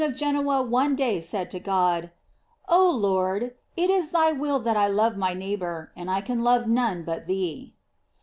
of Genoa one day said to God: "Oh Lord, it ii thy will that I love my neighbor, and I can love none but thee."